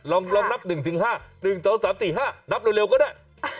ลองนับหนึ่งถึงห้าหนึ่งสองสามสี่ห้านับเร็วก็ได้